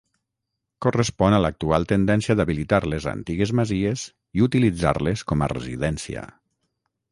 Correspon a l'actual tendència d'habilitar les antigues masies i utilitzar-les com a residència.